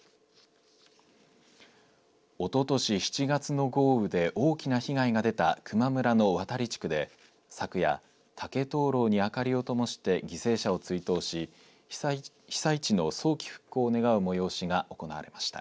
おととし７月の豪雨で大きな被害が出た球磨村の渡地区で昨夜、竹灯籠に明かりをともして犠牲者の追悼をし被災地の早期復興を願う催しが行われました。